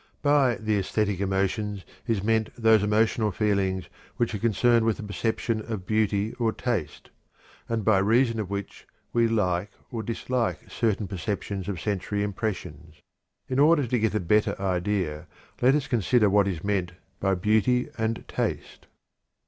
By "the æsthetic emotions" is meant those emotional feelings which are concerned with the perception of beauty or taste, and by reason of which we "like" or "dislike" certain perceptions of sensory impressions. In order to get a clearer idea, let us consider what is meant by "beauty" and "taste."